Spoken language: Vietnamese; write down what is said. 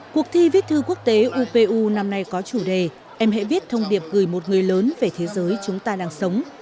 cuộc thi viết thư quốc tế upu năm nay có chủ đề em hãy viết thông điệp gửi một người lớn về thế giới chúng ta đang sống